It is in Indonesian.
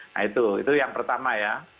nah itu itu yang pertama ya